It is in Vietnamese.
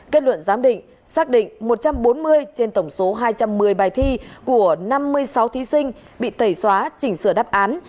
kết luận giám định xác định một trăm bốn mươi trên tổng số hai trăm một mươi bài thi của năm mươi sáu thí sinh bị tẩy xóa chỉnh sửa đáp án